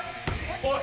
おい！